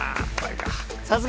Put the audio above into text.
さすが。